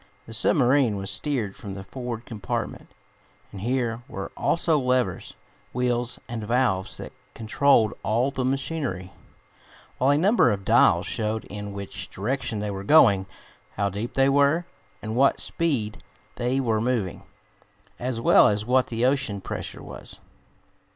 The submarine was steered from the forward compartment, and here were also levers, wheels and valves that controlled all the machinery, while a number of dials showed in which direction they were going, how deep they were, and at what speed they were moving, as well as what the ocean pressure was.